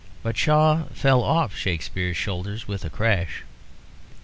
But Shaw fell off Shakespeare's shoulders with a crash.